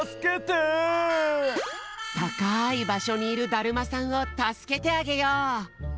たかいばしょにいるだるまさんをたすけてあげよう！